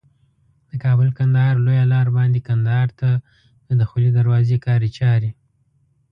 د کابل کندهار لویه لار باندي کندهار ته د دخولي دروازي کاري چاري